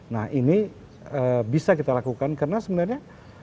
nah ini bisa kita lakukan karena sebenarnya